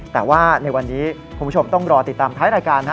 แต่ว่าในวันนี้คุณผู้ชมต้องรอติดตามท้ายรายการ